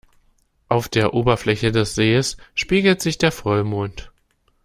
Auf der Oberfläche des Sees spiegelt sich der Vollmond.